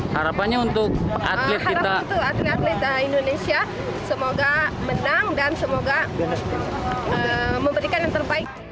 harapannya untuk atlet indonesia semoga menang dan semoga memberikan yang terbaik